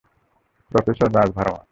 Professor Raj Verma.